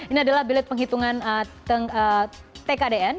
ini adalah bilit penghitungan tkdn